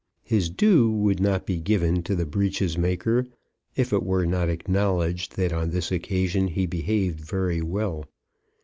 His due would not be given to the breeches maker if it were not acknowledged that on this occasion he behaved very well.